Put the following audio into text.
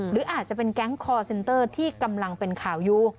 หรืออาจจะเป็นแก๊งคอร์เซนเตอร์ที่กำลังเป็นข่าวอยู่